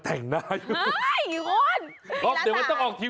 อย่างนี้อ่ะลูกน้องกันชมพูด